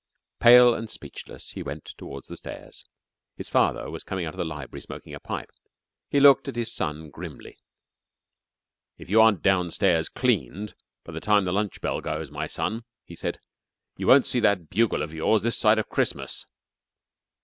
Pale and speechless, he went towards the stairs. His father was coming out of the library smoking a pipe. He looked at his son grimly. "If you aren't downstairs cleaned by the time the lunch bell goes, my son," he said, "you won't see that bugle of yours this side of Christmas."